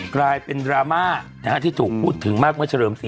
กลายเป็นดราม่าที่ถูกพูดถึงมากว่าเฉลิมศรี